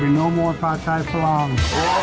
เมื่อฉันตายจะไม่มีพระเจ้าอีก